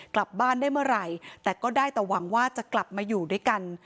กลับบ้านได้เมื่อไหร่แต่ก็ได้แต่หวังว่าจะกลับมาอยู่ด้วยกัน